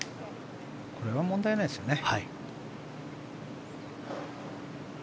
これは問題ないですよね。